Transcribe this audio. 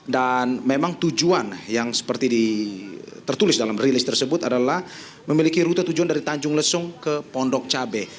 dan memang tujuan yang seperti tertulis dalam rilis tersebut adalah memiliki rute tujuan dari tanjung lesung ke pondok cabe